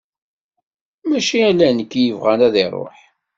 Mačči ala nekk i yebɣan ad iruḥ.